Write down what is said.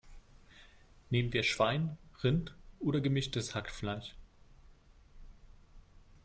Nehmen wir Schwein, Rind oder gemischtes Hackfleisch?